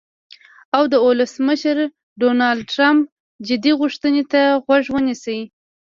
او د ولسمشر ډونالډ ټرمپ "جدي غوښتنې" ته غوږ ونیسي.